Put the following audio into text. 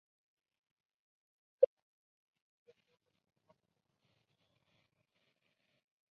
The area has large number of hillocks covered with forests.